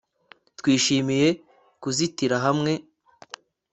Twishimiye kuzitira hamwe